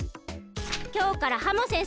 きょうからハモ先生